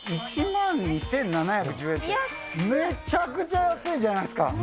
１万２７１０円って、めちゃくちゃ安いじゃないですか。